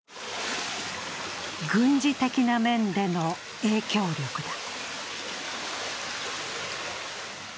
軍事的な面での影響力だ。